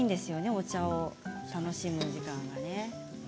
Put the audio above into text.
お茶を楽しむ時間がね。